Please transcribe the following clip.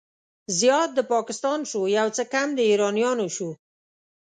زيات د پاکستان شو، يو څه کم د ايرانيانو شو